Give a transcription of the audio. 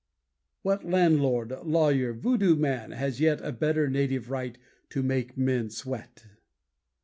What landlord, lawyer, voodoo man has yet A better native right to make men sweat?